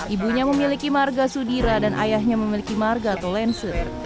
ibunya memiliki marga sudira dan ayahnya memiliki marga tollense